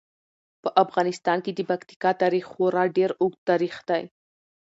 په افغانستان کې د پکتیکا تاریخ خورا ډیر اوږد تاریخ دی.